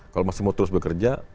kalau masih mau terus bekerja